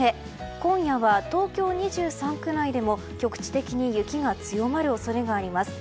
今夜は東京２３区内でも局地的に雪が強まる恐れがあります。